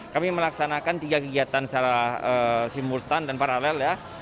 kami melaksanakan tiga kegiatan secara simultan dan paralel ya